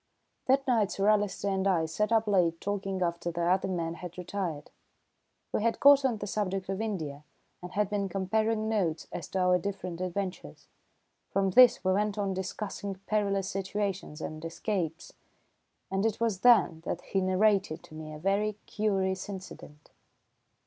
That night Sir Alister and I sat up late talking after the other men had retired. We had got on the subject of India and had been comparing notes as to our different adventures. From this we went on to discussing perilous situations and escapes, and it was then that he narrated to me a very curious incident.